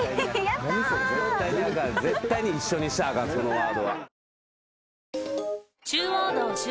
絶対に一緒にしたらあかんそのワードは。